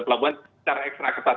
pelabuhan secara ekstra ketat